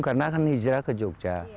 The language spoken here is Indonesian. karena kan hijrah ke jogja